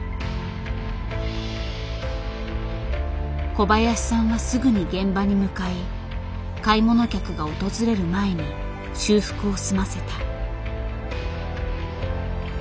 小林さんはすぐに現場に向かい買い物客が訪れる前に修復を済ませた。